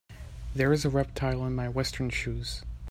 There is a reptile in my western shoes.